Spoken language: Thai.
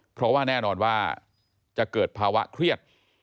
เพราะว่าแน่นอนว่าจะเกิดภาวะเครียด